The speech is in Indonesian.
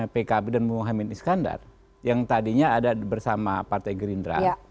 pkb dan muhammad iskandar yang tadinya ada bersama partai gerindra